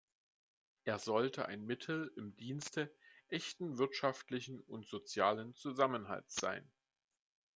Er sollte ein Mittel im Dienste echten wirtschaftlichen und sozialen Zusammenhalts sein.